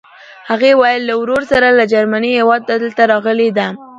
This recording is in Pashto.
هغې ویل له ورور سره له جرمني هېواده دلته راغلې ده.